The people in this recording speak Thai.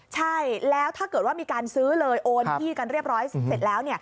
ใช่แล้วถ้าเกิดว่ามีการซื้อเลยโอนที่กันเรียบร้อยเสร็จแล้ว